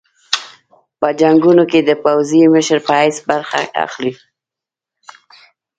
په جنګونو کې د پوځي مشر په حیث برخه اخلي.